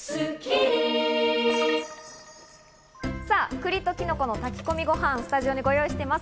栗とキノコの炊き込みご飯、スタジオにご用意しています。